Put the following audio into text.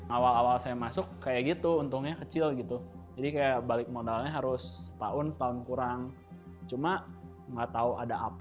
awal awal saya masuk kayak gitu untungnya kecil gitu jadi kayak balik modalnya harus setahun setahun kurang cuma nggak tahu ada apa